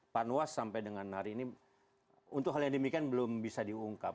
seribu sembilan ratus empat puluh sembilan panwas sampai dengan hari ini untuk hal yang demikian belum bisa diungkap